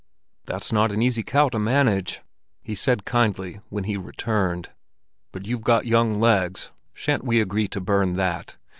"That's not an easy cow to manage," he said kindly, when he returned; "but you've got young legs. Shan't we agree to burn that?"